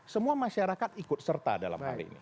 semua masyarakat ikut serta dalam hal ini